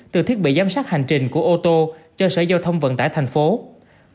từ thiết bị giám sát hành trình của ô tô cho sở giao thông vận tải tp hcm